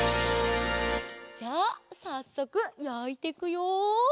じゃあさっそくやいてくよ！